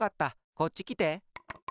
こっちきて。